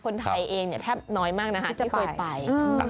คนไทยเองเนี่ยแทบน้อยมากที่ไป